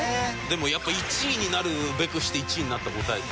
でもやっぱ１位になるべくして１位になった答えですよね。